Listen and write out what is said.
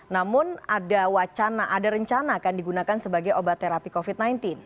namun ada wacana ada rencana kan digunakan sebagai obat terapi covid sembilan belas